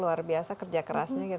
luar biasa kerja kerasnya